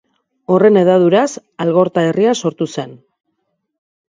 Horren hedaduraz, Algorta herria sortu zen.